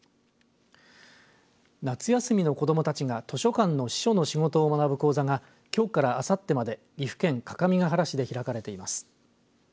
夏休みの子どもたちが図書館の司書の仕事を学ぶ講座がきょうからあさってまで岐阜県各務原市で開かれています。